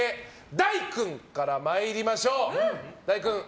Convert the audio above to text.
大唯君から参りましょう！